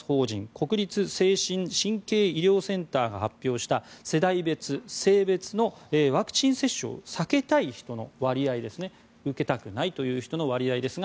国立精神・神経医療研究センターが発表した世代別、性別のワクチン接種を受けたくない人の割合です。